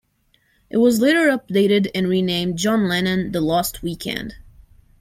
It was later updated and renamed "John Lennon: The Lost Weekend".